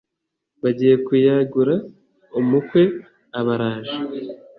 bagiye kuyagura umukwe aba araje